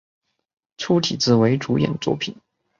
粗体字为主演作品